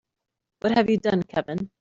What have you done Kevin?